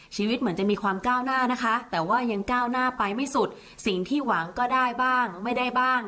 ชีวิตเหมือนจะมีความก้าวหน้านะคะแต่ว่ายังก้าวหน้าไปไม่สุดสิ่งที่หวังก็ได้บ้างไม่ได้บ้าง